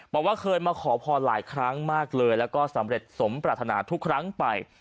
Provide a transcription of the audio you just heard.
บอกว่าเคยมาขอพรหลายครั้งมากเลยแล้วก็สำเร็จสมปรารถนาทุกครั้งไป